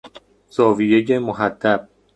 زاویهی محدب